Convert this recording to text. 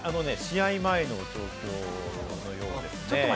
試合前の映像のようですね。